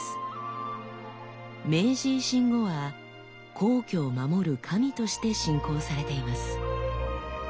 明治維新後は皇居を守る神として信仰されています。